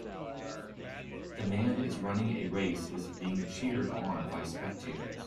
The man is running a race is being cheered on by spectators.